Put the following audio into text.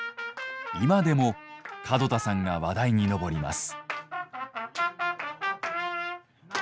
今でも門田さんが話題に上ります。